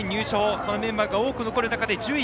そのメンバーが多く残る中で１０位。